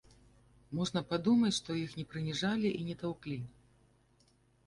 Можна падумаць, што іх не прыніжалі і не таўклі!